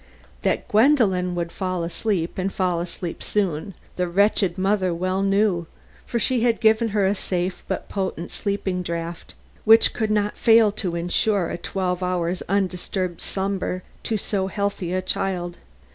That Gwendolen would fall asleep and fall asleep soon, the wretched mother well knew, for she had given her a safe but potent sleeping draft which could not fail to insure a twelve hours' undisturbed slumber to so healthy a child.